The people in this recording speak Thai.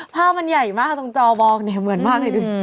ภาพมันใหญ่มากตรงจอบองเนี่ยเหมือนมากเลย